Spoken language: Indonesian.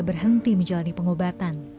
berhenti menjalani pengobatan